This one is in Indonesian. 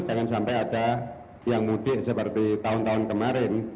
jangan sampai ada yang mudik seperti tahun tahun kemarin